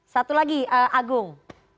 satu lagi agung